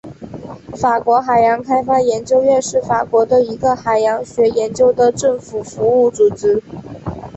法国海洋开发研究院是法国的一个海洋学研究的政府服务组织。